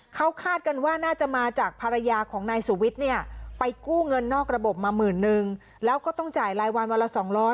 เขาคาดกันว่าน่าจะมาจากภรรยาของนายสุวิทย์เนี่ยไปกู้เงินนอกระบบมาหมื่นนึงแล้วก็ต้องจ่ายรายวันวันละ๒๐๐